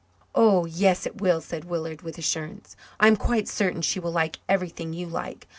"Oh, yes, it will," said Willard with assurance. "I am quite certain she will like everything you like.